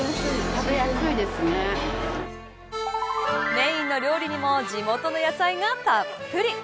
メーンの料理にも地元の野菜がたっぷり。